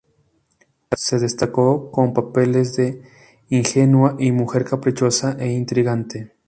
Se destacó con papeles de ingenua y mujer caprichosa e intrigante.